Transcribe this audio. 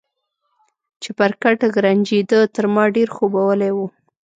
چپرکټ غرنجېده، تر ما ډېر خوبولی و.